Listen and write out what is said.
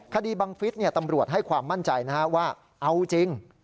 บังฟิศตำรวจให้ความมั่นใจว่าเอาจริง